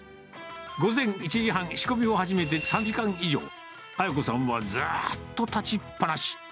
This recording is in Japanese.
午前１時半、仕込みを始めて３時間以上、あや子さんはずっと立ちっぱなし。